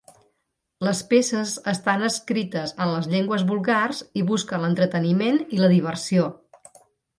Les peces estan escrites en les llengües vulgars i busquen l'entreteniment i la diversió.